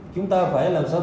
chúng ta phải làm sao